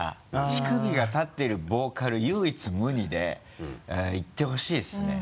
乳首が立ってるボーカル唯一無二でいってほしいですね。